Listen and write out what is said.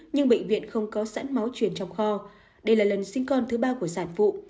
nhưng bệnh viện không có sẵn máu truyền trong kho đây là lần sinh con thứ ba của sản phụ